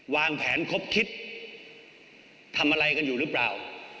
วางแผนครบคิดทำอะไรกันอยู่หรือเปล่า